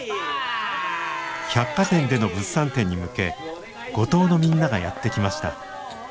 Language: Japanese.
百貨店での物産展に向け五島のみんながやって来ました。